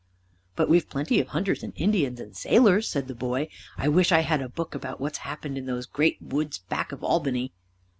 "But we've plenty of hunters and Indians and sailors," said the boy; "I wish I had a book about what's happened in those great woods back of Albany."